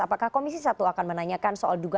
apakah komisi satu akan menanyakan soal dugaan